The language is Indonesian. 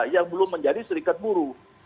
yang belum menjadi serikat buruh